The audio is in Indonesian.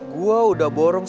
gue udah borong